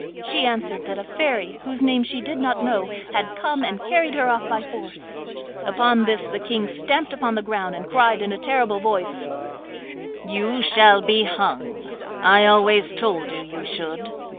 She answered that a fairy, whose name she did not know, had come and carried her off by force. Upon this the King stamped upon the ground, and cried in a terrible voice: 'You shall be hung! I always told you you should.